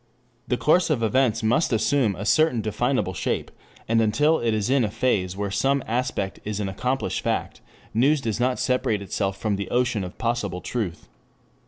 The course of events must assume a certain definable shape, and until it is in a phase where some aspect is an accomplished fact, news does not separate itself from the ocean of possible truth.